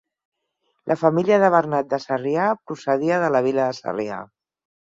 La família de Bernat de Sarrià procedia de la vila de Sarrià.